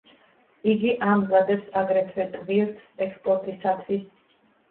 იგი ამზადებს აგრეთვე ტვირთს ექსპორტისათვის.